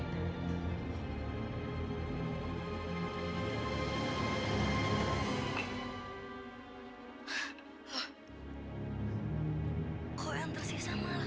kok yang tersisa malah